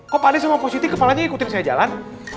kok panik sama posisi kepalanya ikutin saya jalan